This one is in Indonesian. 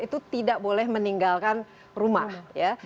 itu tidak boleh meninggalkan rumah ya